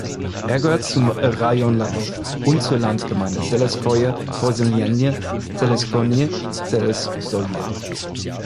Es gehört zum Rajon Lgow und zur Landgemeinde "(selskoje posselenije) Selekzionny selsowjet".